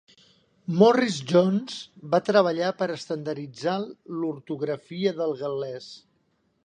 Morris-Jones va treballar per estandarditzar l'ortografia del gal·lès.